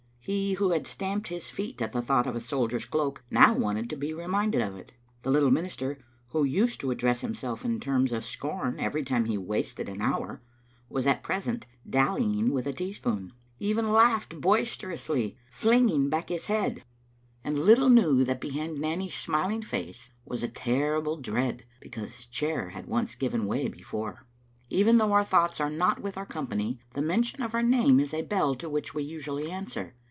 He who had stamped his feet at thought of a soldier's cloak now wanted to be reminded of it. The little minister, who used to address himself in terms of scorn every time he wasted an hour, was at present dallying with a teaspoon. He even laughed boisterously, flinging back his head, and Digitized by VjOOQ IC IM trbe Xfttte Aintoter. little knew that behind Nanny's smiling face was a terrible dread, because his chair had once given way before. Bven though our thoughts are not with our company, the mention of our name is a bell to which we usually answer.